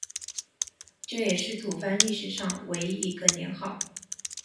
这也是吐蕃历史上唯一一个年号。